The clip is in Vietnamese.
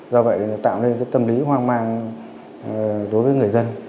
do vậy tạo nên tâm lý hoang mang đối với người dân